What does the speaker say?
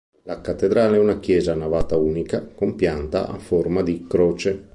La cattedrale è una chiesa a navata unica con pianta a forma di croce.